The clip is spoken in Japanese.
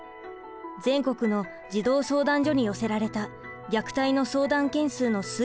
全国の児童相談所に寄せられた虐待の相談件数の推移です。